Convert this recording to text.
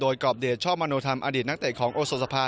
โดยกรอบเดชชอบมโนธรรมอดีตนักเตะของโอโซสภา